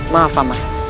maaf pak man